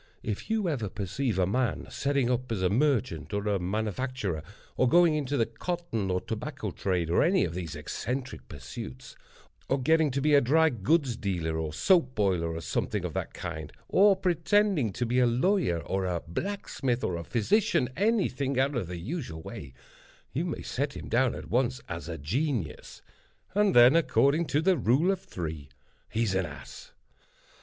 If you ever perceive a man setting up as a merchant or a manufacturer, or going into the cotton or tobacco trade, or any of those eccentric pursuits; or getting to be a drygoods dealer, or soap boiler, or something of that kind; or pretending to be a lawyer, or a blacksmith, or a physician—any thing out of the usual way—you may set him down at once as a genius, and then, according to the rule of three, he's an ass.